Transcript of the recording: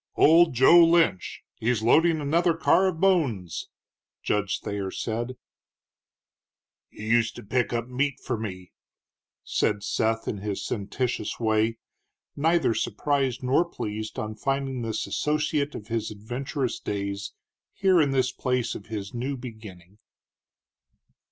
"Old Joe Lynch; he's loadin' another car of bones," Judge Thayer said. "He used to pick up meat for me," said Seth in his sententious way, neither surprised nor pleased on finding this associate of his adventurous days here in this place of his new beginning.